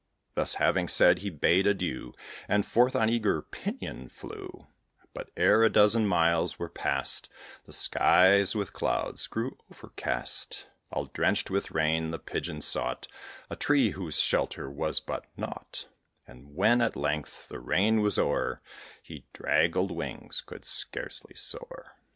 Thus having said, he bade adieu, And forth on eager pinion flew; But ere a dozen miles were past, The skies with clouds grew overcast; All drenched with rain, the Pigeon sought A tree, whose shelter was but nought; And when, at length, the rain was o'er, His draggled wings could scarcely soar.